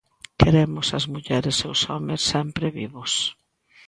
Queremos as mulleres e os homes sempre vivos.